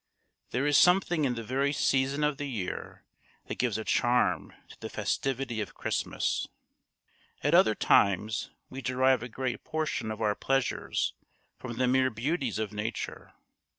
There is something in the very season of the year that gives a charm to the festivity of Christmas. At other times we derive a great portion of our pleasures from the mere beauties of nature.